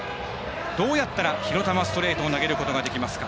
どうやったら火の玉ストレートを投げることができますか？